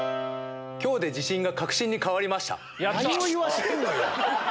今日で自信が確信に変わりました。